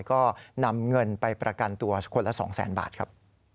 ก็นำเงินไปประกันตัวคนละ๒๐๐๐บาทครับ